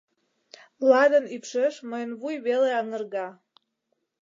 Ладын ӱпшеш мыйын вуй веле аҥырга.